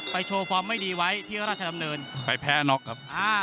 โชว์ฟอร์มไม่ดีไว้ที่ราชดำเนินไปแพ้น็อกครับ